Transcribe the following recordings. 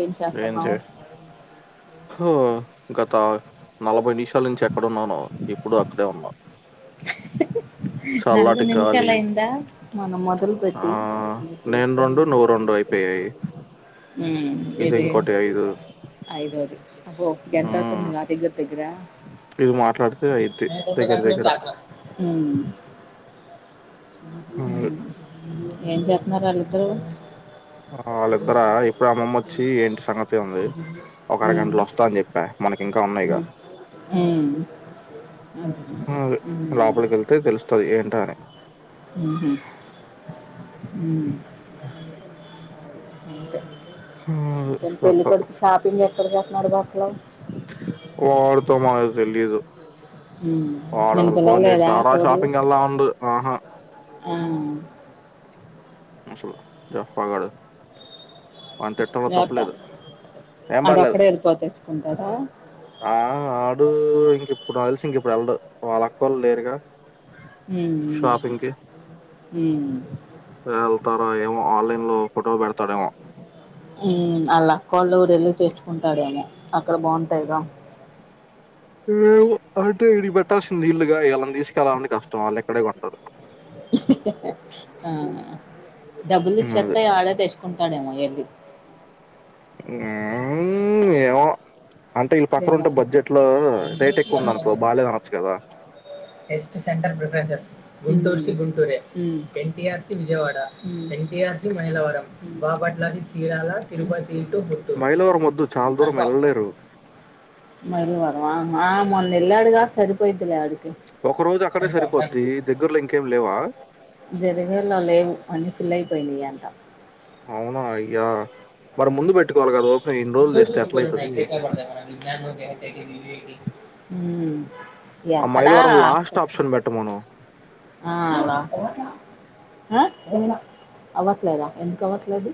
ఏం ఏంటి? చేస్తున్నావు హో! గత నలభై నిమిషాల నుంచి ఎక్కడన్నాను ఇప్పుడు అక్కడే ఉన్నా నలభ చల్లటి గాలి. నిమిషాలయంద మనం మొదలు పెట్టి ఆహ్, నేను నువ్వు అయిపోయాయి. ఇది ఐద అదు అహో గెంటా హ్మ్. అతుంది నా దిగ దగ్రా ఇది మాట్లాడితే అయిది దగ్గర దగ్గర అ హ్మ్. ఏం చెప్తున్నారు వాళ్ళుద్దరూ ఆ వాళ్ళిద్దర ఇప్పుడు అమ్మమ్మ వచ్చి ఏంటి సంగతి ఉంది ఒక అర హ్మ్ గంటలు వస్తా అని చెప్పా మనకి ఇంకా ఉన్నాయిగా హ్మ్ హ్మ్ హ్మ్ లోపలికి వెళ్తే తెలుస్తుంది ఏంట అని ఊహూ ఇకా హ్మ్. అే సత్తా పెళ్లిికడుకి షాపింగ్ ఎక్కడ చెస్తున్నాడు బట్టల వాళ అసలు ఫోన్ చేసారా తోడు షాపింగ్ ఎల్లా ఉండు ఆహా ఆ మసలా జఫాగఢ వాన్ని తిట్టంలో ఎవరితో? తప్పులేదు ఏం పర్లేదు ఆడొక్కడే వెళ్ళిపోతే తెచ్చుకుంటాడా ఆ ఆడు ఇంక ఇప్పుడాల్సి ఇంకెప్పుడు వెళ్ళడు వాళ్ళక్కొల్లు లేరుగా హు షాపింగ్‌కి. హ వెళ్తారా ఏమో ఆన్లైన్ లో ఫోటో పెడతాడేమో అళ్ళక్కొల్లా ఊరేళ్ళి తెచ్చుకుంటాడేమో అక్కడ బాగుంటాయి గా అంటే ఇడి పెట్టాల్సింది నీళ్లుగా వళ్ళని తీసుకెళ్ళాలంటని కష్టం వాళ్ళు ఎక్కడే కొంటారు ఆ డబ్బులు అది. ఇచ్చేస్తా ఆడే తెచ్చుకుం తాడేమో వెళ్ళి ఏ ఏమో అంటే వీని పక్కన ఏమో. ఉంటే బడ్జెట్ లో రేట్ గుంటూరుసి ఎక్కువ ఉంది అనుకో బాగాలేదు అనొచ్చు కదా గుంటూరు సి గుంటూర ఎన్టీఆర్సి విజయవాడ ఎన్టీఆర్సి మైలవరం బపట్లా చీరాల తిరుపతి టు గుంటూరు మైలవరం ఉమ్. వద్దు చాల దూరం ఎళ్ళలేరు మైలవరమా ఆ మొన్నెల్లాడుగా సరిపోయిద్ధిలే అది ఒక రోజు అక్కడే సరిపోద్ది దగ్గర్లో ఇంకేం లేవా జరిగల్లో లేవు అన్ని ఫుల్ అయిపోయినాయంట అవునా అయ్యా మరి ముందు పెట్టుకోవాలి కద అ కంద నా పడత జ్ఞ హు ఆ ఎక్కడా మైలవరం లాస్ట్ ఆప్షన్ పెట్టమను ఆ అలా ఆ అవ్వట్లేదా ఎందుకు అవ్వట్లేదు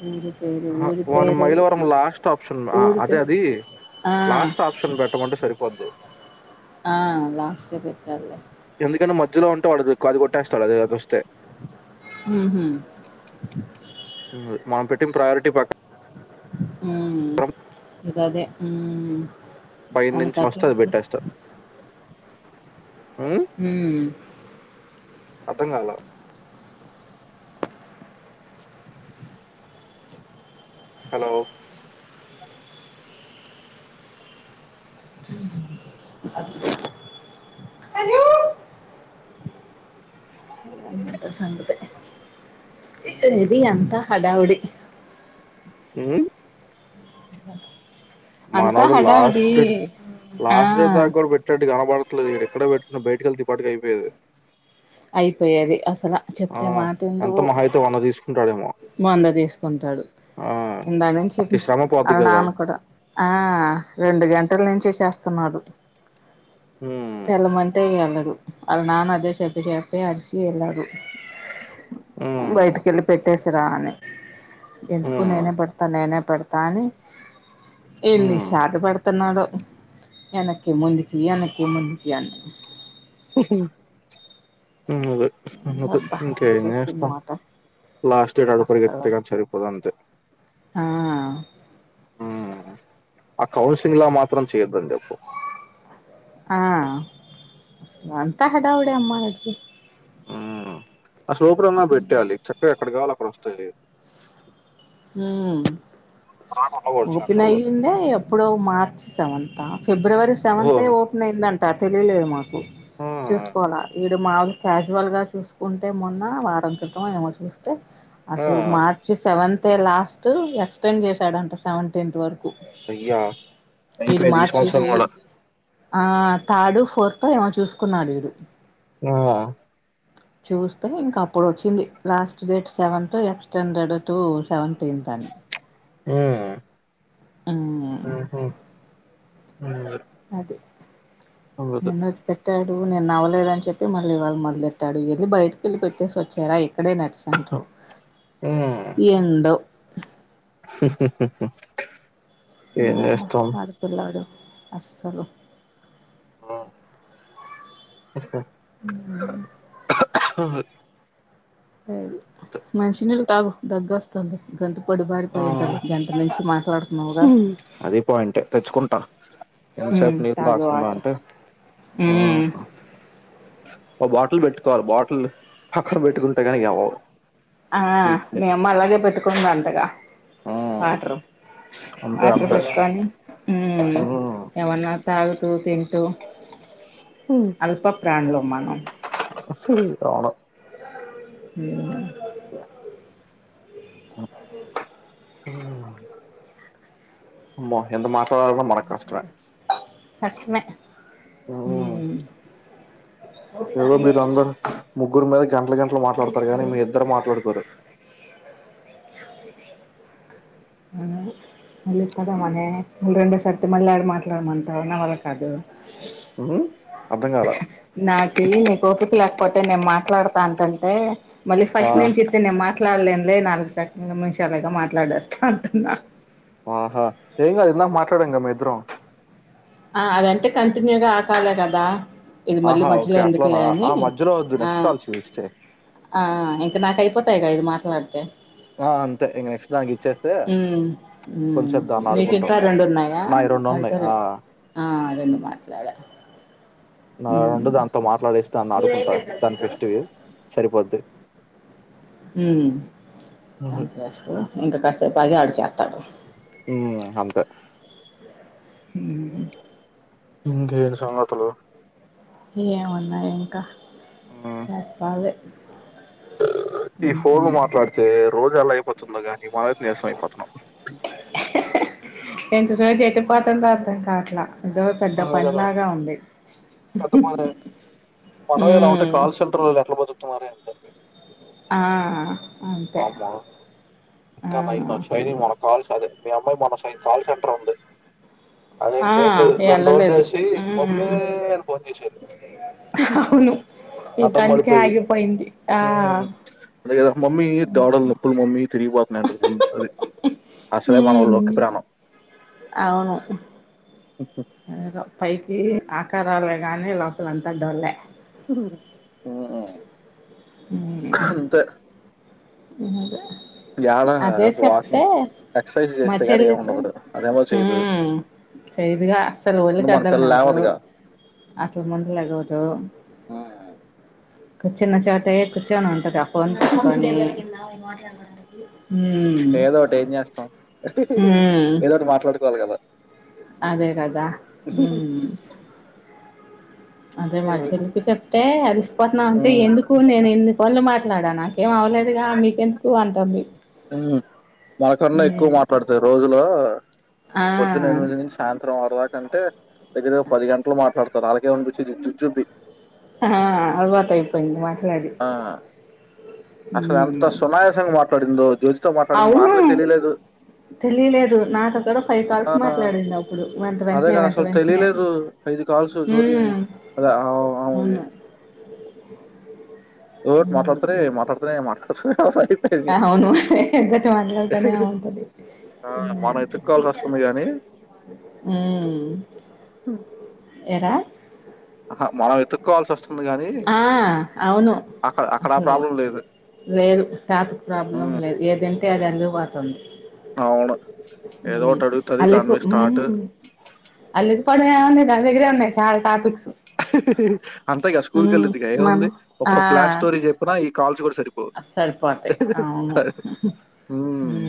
అ వాన్ని మైలవరం లాస్ట్ ఆప్షన్ ఊరి అదే పేరు అది ఆ, లాస్ట్ ఆప్షన్ పెట్టమంటే సరిపోద్ది ఆ లాస్ట్ ఏ పెట్టలే ఎందుకంటే మధ్యలో ఉంటే వాడు అది కొట్టేస్తాడు అది ఒస్తే మ్ హు మనం పెట్టి ప్రయారిటీ ప్రకా రం ఇదదే పై నుంచి వస్తే అది పెట్టేస్తారు హు ఉమ్. అర్ధం కాలే హలో హలో అంతే సంగతి ఉమ్, ఇది అంత హడావుడి హు అ మనడు లాస్ట్ డేట్ ఆ లాస్ట్ డేట్ పెట్టటు గనపడత దు ఇక్కడ ఎక్కడ పెట్టుకు బయటకి వెళ్తే పాటుకి అయిపోయది అయిపోయేది అసల ఆ చెప్తే మాట ఎంత వింటవు మహా అయితే వంద తీసుకుంటాడేమో వంద తీసుకుంటాడు ఆ ఇందాక నుంచి అతి శ్రమ పోద్ది వాల్ కదా నాన్న కూడా ఆ రెండు గంటల నుంచి చేస్తున్నాడు ఉమ్, కలమంటే ఇయల అలా నాన్న అదే సెప్పి చెస్తే అరిసి ఎలా ఉమ్, బయటికిెళ్ళి చేసరా అని ఎందుకు ఉమ్, నేనే పడతా నేనే పడతాను ఎని ఉమ్. సాద పడత ఇత్తనాడుకే ముందుకి ఎక్కి ముందుకి అ అదే అదే అబ్బా ఇంక చెప్పింది ఎంకేంచేస్తాం మాట లాస్ట్ డేట అడుపుడుకి అస్సలు ఎతేక సరిపోద అంటే ఆ ఆ కౌన్సలింగ్ లో మాత్రం చేయద్దండి ఆ అంత హడావుడే అమ్మ అడికి హ్మ్. ఆ సూపర్ అన్నా పెట్టాలి చక్క ఎక్కడ కావాలి అక్కడ వస్త తది హ రాకుండా ఉండగూడదు సెంటర్‌లో. ఓపినయింద ఎప్పుడొ మార్చి సమంతా ఫిబ్రవరి సెవెంతే ఓహ్! ఓపన్ అయిందంటే త తొలి లేదు మాకు హ్మ్. చూసుకోవాల ఇడు మాములు క్యాజువల్ గా చూసుకుంటే మొన్న వారం క్రితం ఏమో చూస్తే ఆ! అసలు మార్చ సెవెన్ అయితే లాస్ట్ ఎక్స్టెండ్ చేశాడంట సెవెంటీన్త్ వరకు అయ్యా! ఇది అయిపోయేది ఈ మార్చ సంవత్సరం గూడా. ఆ థాడు ఫోర్త్ ఏమో చూసుకున్నాడు ఇడు ఆ చూస్తే ఇంక అప్పుడు వచ్చింది last date seventh extended to seventeenth అని ఆ ఆ అ అది ఎన్న పెట్ ట్టాడు నేను నవ్వలేదుని చెి మళ్ళీ ఇవాళ మొదెాడు వెళ్ి బయటకి వెళ్ళి పెట్టేసి వచ్చారా క నట్ సంట్ర హ్మ్. ఎండో [inaudible] [unintelligible] ఏం ఎంటమ్న్న జేస్తాం? మడపిలర అస్సలు హ అ మనిషిినళ్ళు తాగు దగ్గ వస్తుంది గంత పొడి ఆ! బారిపోయింటంది గంట నుంచి మాట్లాడుతున్నావుగా అది పాయింటే. తెచ్చుకుంటా. ఎంత సేపు నీళ్లు తాజా తాగకుండా వాటర్ అంటే ఒక బాటిల్ పెట్టుకోవాలి బాటిల్ హక్కన పెట్టుకుంటే కానీక అవ్వాలి ఆ మే అమ్మ అలాగే పెట్టుకున్న అంతగా ఉమ్ వాటర్ అంతే వాటర్ అంతే పెట్టుకని ఉమ్ ఏమన్నా తాగుతూ త అల్ప ప్రాణలు మనం శర ఇదను అ అ అదదు ో ఎంత మా ఫస్ట్ ఏ మీిరులంగ ముగ్గురు మ గంటల గంటలు మాట్లాడతారు కాగానీ మీ ఇద్దరు మాట్లాడుకోరు మళ్ళీ ఇస్తదా మనే మళ్ళు రెండోసరితి మళ్ళీ ఆడ మాట్లాడమంటాన్నా వాల కాదు హ నాకి నీ పిక లేకపోతే నేను మాట్ మాట్లాడతాంటంటే మళ్ళీ ఆ ఫస్ట్ నుంచి ఇస్తతే నేను మాట్లాడలేను అ నాలుగు సెకంల మనిషాలుగా మాట్లాడేస్తా అంటున్నా ఆహా హంగ్ అ మాట్లాడంగమ్ మ ఇద్దరం ఆ అదంటే కంటిన్యూగా ఆకాలే కదా ఇది మళ్ళీ ఆహా మధ్యలో ఓకే అట్లానా ఎందుకులే అని ఆ మధ్యలో వద్దు ఆ నెక్స్ట్ కాల్ చూస్తే ఆ ఇంకా నాక అయిపోతాయి ఇది మాత్ర అలాంటే ఆ అంతె నెక్స్ట్ దానికి ఇచ్చేస్తే ఉం ఉ కొంచెంసేపు దాన్ని ఆడుకుంటాం మీటికా రెండు ఉన్నాయా నాయి రెండు అవితో ఉన్నాయి ఆ ఆ రెండు మ మాట్లాడ నా రెండు దాంతో మాట్లాడేస్తే దన్ని ఆడుకుంటా మీదయిపోయిందా దాని మీతో ఫెస్టివి సరిపోద్ది ఉం అంతే ఇంకా కాసేపు పగా అడు చేతడు ఉ అంతే ఉం ఇంకేంటి సంగతులు ఇ ఏమున్నాయి ఇంకా మ్మ్ చెప్పాలి ఈ ఫోన్ ఉమ్ మాట్లాడితే రోజు అన్నా అయిపోతుందోగా విమాన దసయిపోతన్నాం పతంద అర్థం కావట్లా ఏదో పెద్ద అదే కదా పనిలాగా ఉంది పెద్ద పనే మనం ఎలా ఉంటే ఉమ్ కాల్ సెంటర్ల్ ఎట్లా బాతు తార ఎందో ఆ అంతే వామ్మో ఆ ఇంకా న శైలి మన కాల్స్ అదే మీ అమ్మాయి మన స కల్ సెంటర్ ఉంది ఆ అదేంకి రెండు రోజులు వెళ్ళలేదు చేసి మమ్మీ ఉమ్ ఫోన్ చేసేది అవును ఇంక అడ్డం అందుకే పడిపోయి ఆగిపోయింది ఆ మ్మ్ అదే కదా మమ్మీ దవడాల్ నొప్పులు మమ్మీ తిరిగి పోతాయంటుంది అసలేవాన ఉ ఉమ్ లోక్కి ప్రాణం అవును ఏదో పై ఈ ఆకారాలే గాని లోపల అంత డోల్లే ఓ అంతే అదా యాడ అదే చెప్తే వాకింగ్ ఎక్సర్సైజ్ మా చేస్తే గాని చెల్లితే ఏముండదు అదేమో చేయదు ఉం సైదుగా అసలు ఒలి ఇంక మన పిల్ల కదలనవదు లేవదుగా అసలు ముందు లెగవదు కుచ్చన్న చోటే కుచనే ఉంట తది ఫోన్ పట్టుకొని [inaudible] ఏదో ఒకటి ఏం చేస్తాం ఉమ్ ఏదో ఒకటి మాట్లాడు కోాల కదా అదే కదా అదే మా చెల్లుకి చెప్తే అలిసిపోతున్నాం అంటే ఉమ్, ఎందుకు నేను ఎన్నికను మాట్లాడా నాకేం అవ్వలేదుగా మీకెందుకు అంటుంది మాకన్నా ఎక్కువ మాట్లాడుతారు రోజులో ఆ పొద్దున ఎనిమిది నుంచి సాయంతం మాం అరరాకంటే దగ్గర ఒక పది గంటలు మాట్లాడతారు అళ్కే పంపించి జు జుబ్బి ఆ అల్వాత అయిపోయింది మా ఆ అసలు ఎంత సునాయసంగ మ పడిందో జో అవును తెలియలేదు నాతో కూడాడ ఫైవ్ కాల్స్ ఆ మాట్లాడింది అప్పుడు వెంత అదే వెంటనే కదా వెంట అసలు వెంటనే తెలియలేదు ఐదు కాల్స్ జ్యోతివి. అదే ఆవ్ ఆమెవి అవును ఓట్ మాట్లాడతార మాట్లాడతార మాట్లా అవును ఎగటి మాట్లాడతానే అవుంటంది ఆ! మనం ఎతుక్కోవాల్సి వస్తుంది గానీ ఎరా మనం ఎతుక్కకోవాల్సి వస్తుంది గానీ ఆ అవును అక్కడ అక్కడ ఆ అసలు ప్రాబ్లం లేదు. లేదు టాపక్ ప్రాబ్లం హ్మ్. లేదు ఏదంటి తేదందు పోతుంది అవును. ఏదో ఒకటి అడుగుతది దాని అల్కి మీద స్టార్ట్. అల్కి పడున్న దాని దగ్గర ఉన్నాయి చాలా టాపిక్స్ అంతంత గసు స్కూల్ ఉమ్ కళ్ళదిగా ఏముంది మనం ఒక క్లాస్ స్టోర చెిన ఈ కాల్స్ గూడా సరిపోవు. స్ల్పో అంతతే ఆవును హ్మ్.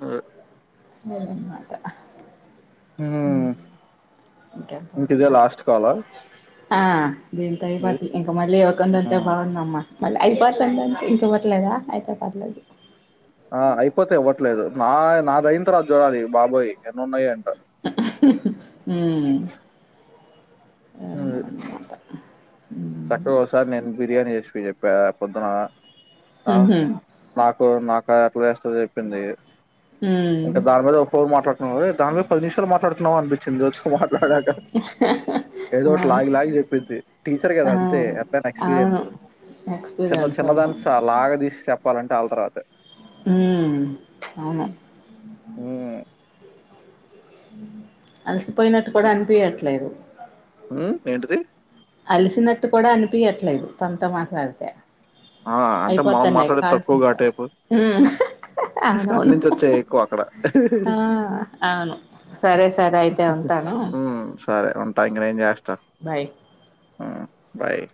ఆ న్మాత హ ఇంటిదే ఇంకేంటమ్మా లాస్ట్ కాాల ఆ దీంత ఇవద్దు ఇంకా మళ్ళీ ఇవ్వకుంందంతే హ్మ్. బాగుంద అమ్మ మళ్ళీ అఐదు పట్ందంటే ఇంక పట్లేదా అయితే పర్లేదు ఆ అయిపోతా ఇవ్వట్లేదు నా నాదన తర్వాత జూరాలి బాబాయ్ ఎన్న ఉన్నాయిడి ఉమ్ అ అదన్నమాట ఉమ్ చక్కగాసారి నేను బిర్యానీ చేసి చెప్పా పొద్దున ఆ ఉహు మా ఇ నాకు ఎట్లా చేస్తంది చెప్పింది ఉమ్ ఇంటకా దాని మీద ఒక మాట్లాడుతుే దా మీ ఫర్నిచర్ మాట్లాడు ం అనిపించింద మాట్లాడాక ఏదో ఒకటి ఆ లాగి లాగి చెప్పింది ఆ తే ఎనా అవును ఎక్స్పీరియన్స్ చిన్న ఎక్స్పీరియన్స్ అవును చిన్నదాని లాగా చె చెప్పాలంటే వాళ్ళ తర్వాత అవును హ్మ్. హ అలసిపోయినట్టు కూడా అనిపించట్లేదు అ ఏంటది అలిసినట్టు కూడా అనిపిించట్లేదు తంత మాట్లాడితే ఆ! అంటే మనం అయిపోతాంయి మాట్లాడేది తక్కువ గా కాల్సందద ఆ టైపు. అటు అవునవును నుంచొచ్చాయి ఎక్కువ అక్కడ. అవును సరే సరే అయితే ఉంటాను అ అ బాయ్ ఆ బాయ్